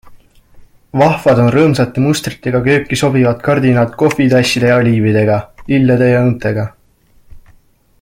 Vahvad on rõõmsate mustritega kööki sobivad kardinad kohvitasside ja oliividega, lillede ja õuntega.